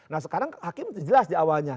nah sekarang hakim jelas di awalnya